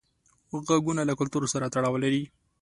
غږونه له کلتور سره تړاو لري.